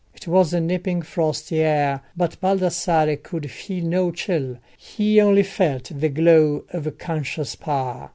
It was a nipping frosty air, but Baldassarre could feel no chill—he only felt the glow of conscious power.